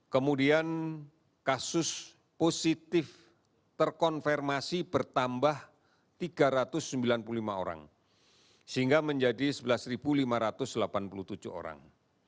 kemudian kasus positif terkonfirmasi bertambah tiga ratus sembilan puluh lima orang sehingga menjadi sebelas lima ratus delapan puluh tujuh orang